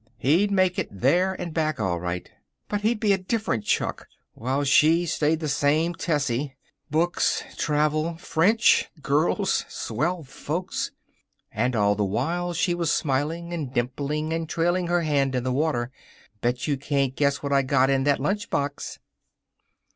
He'd make it there and back, all right. But he'd be a different Chuck, while she stayed the same Tessie. Books, travel, French, girls, swell folks And all the while she was smiling and dimpling and trailing her hand in the water. "Bet you can't guess what I got in that lunch box."